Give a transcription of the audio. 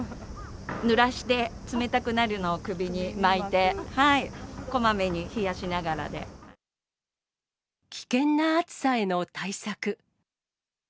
ぬらして冷たくなるのを首に巻いて、危険な暑さへの対策。